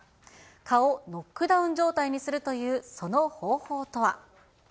蚊をノックダウン状態にするというその方法とは。